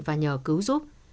và nhờ cứu giúp